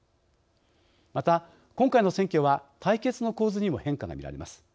また、今回の選挙は対決の構図にも変化が見られます。